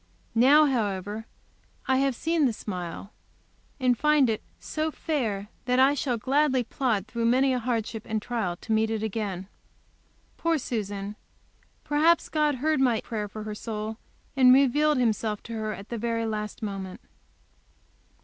Now, however, I have seen the smile, and find it so "fair," that I shall gladly plod through many a hardship and trial to meet it again. Poor Susan! Perhaps God heard my prayer for her soul, and revealed Himself to her at the very last moment.